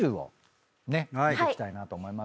見ていきたいなと思います。